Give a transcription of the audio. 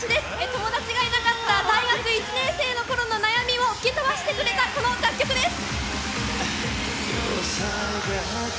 友達がいなかった大学１年生のころの悩みを吹き飛ばしてくれたこの楽曲です。